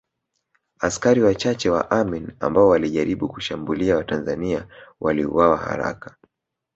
Askari wachache wa Amin ambao walijaribu kuwashambulia Watanzania waliuawa haraka